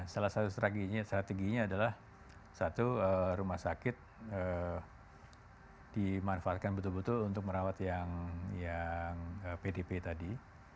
salah satu strateginya adalah satu rumah sakit dimanfaatkan betul betul untuk merawat yang pdp tadi